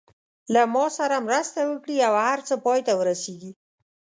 له ما سره مرسته وکړي او هر څه پای ته ورسېږي.